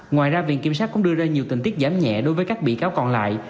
ngoài ra viện kiểm sát cũng đưa ra nhiều tình tiết giảm nhẹ đối với các bị cáo còn lại